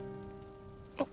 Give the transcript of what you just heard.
あっ！